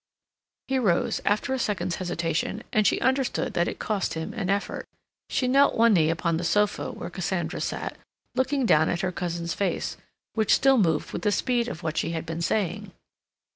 He rose, after a second's hesitation, and she understood that it cost him an effort. She knelt one knee upon the sofa where Cassandra sat, looking down at her cousin's face, which still moved with the speed of what she had been saying.